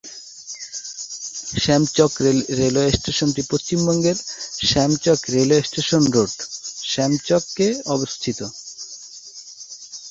শ্যাম Chak railway স্টেশনটি পশ্চিমবঙ্গের Shyam Chak railway station road, Shyam Chak তে অবস্থিত।